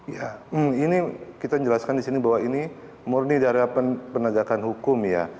ya ini kita jelaskan di sini bahwa ini murni dari penegakan hukum ya